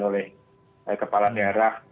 oleh kepala daerah